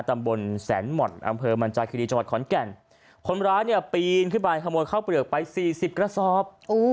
ตำบลแสนหม่อนอำเภอมันจาคิรีจังหวัดขอนแก่นคนร้ายเนี่ยปีนขึ้นไปขโมยข้าวเปลือกไปสี่สิบกระสอบ